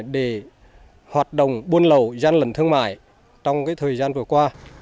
để hoạt động buôn lậu gian lận thương mại trong thời gian vừa qua